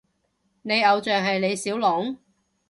你偶像係李小龍？